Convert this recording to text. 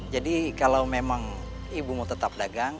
jadi kalau memang ibu mau tetap dagang